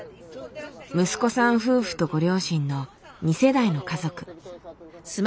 息子さん夫婦とご両親の２世代の家族。